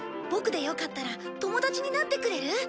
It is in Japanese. ボクでよかったら友達になってくれる？